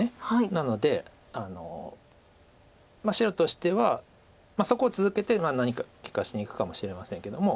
なので白としてはそこを続けて何か利かしにいくかもしれませんけども。